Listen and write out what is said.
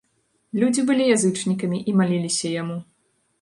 Людзі былі язычнікамі і маліліся яму.